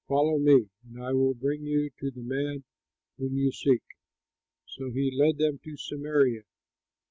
Follow me, and I will bring you to the man whom you seek!" So he led them to Samaria.